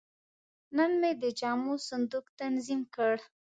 نن مې د جامو صندوق تنظیم کړ.